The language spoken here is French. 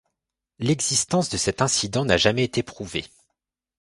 L'existence de cet incident n'a jamais été prouvée.